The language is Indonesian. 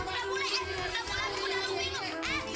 padahal orang pinter